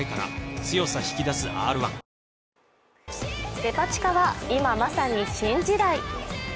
デパ地下は今まさに新時代。